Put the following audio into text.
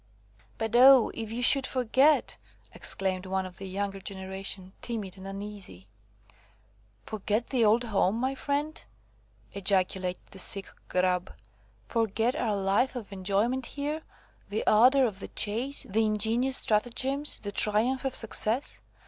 "But, oh! if you should forget!" exclaimed one of the younger generation, timid and uneasy. "Forget the old home, my friend?" ejaculated the sick Grub, "forget our life of enjoyment here, the ardour of the chase, the ingenious stratagems, the triumph of success?